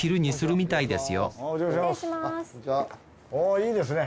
いいですね。